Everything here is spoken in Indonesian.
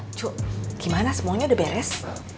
cuma gimana semuanya udah beres